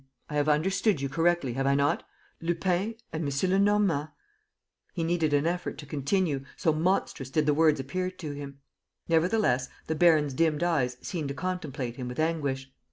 ... I have understood you correctly, have I not? Lupin and M. Lenormand. ..." He needed an effort to continue, so monstrous did the words appear to him. Nevertheless, the baron's dimmed eyes seemed to contemplate him with anguish.